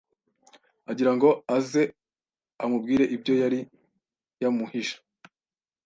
agira ngo aze amubwire ibyo yari yamuhishe